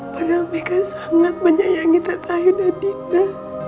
padahal mereka sangat menyayangi tante ayu dan dina